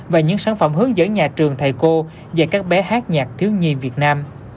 và những sản phẩm hướng dẫn nhà trường thầy cô và các bé hát nhạc thiếu nhi việt nam